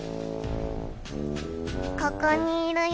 ここにいるよ